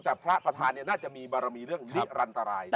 แต่พระประธานน่าจะมีบารมีเรื่องนิรันตราย